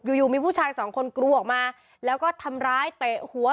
อยู่อยู่มีผู้ชายสองคนกรูออกมาแล้วก็ทำร้ายเตะหัว